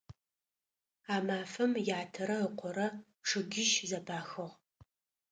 А мафэм ятэрэ ыкъорэ чъыгищ зэпахыгъ.